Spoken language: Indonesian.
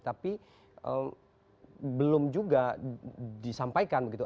tapi belum juga disampaikan begitu